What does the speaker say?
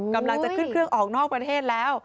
กำลังจะขึ้นเครื่องออกนอกประเทศแล้ว